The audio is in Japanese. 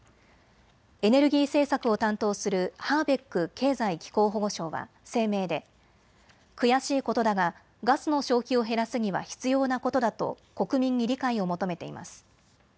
エネルギー政策を担当するハーベック経済・気候保護相は声明で悔しいことだがガスの消費を減らすには必要なことだと国民に理解を求めています。